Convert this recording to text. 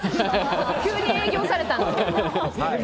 急に営業されたんですけど。